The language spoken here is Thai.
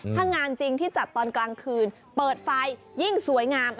ถ้างานจริงที่จัดตอนกลางคืนเปิดไฟยิ่งสวยงาม